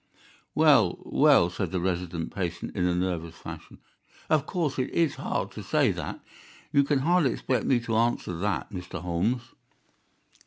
"Well, well," said the resident patient, in a nervous fashion, "of course it is hard to say that. You can hardly expect me to answer that, Mr. Holmes."